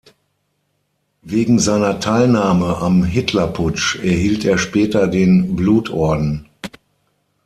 Wegen seiner Teilnahme am Hitlerputsch erhielt er später den Blutorden.